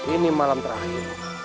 ini malam terakhir